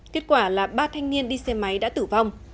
kết quả là ba thanh niên đi xe máy đã tử vong